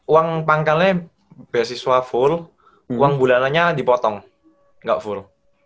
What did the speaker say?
uang pangkalnya beasiswa full uang bulananya dipotong gak full